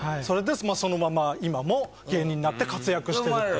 それでそのまま今も芸人になって活躍してる。